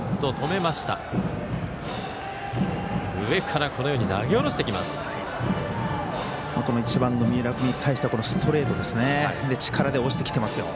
上から投げ下ろしてきます。